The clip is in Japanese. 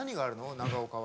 長岡は。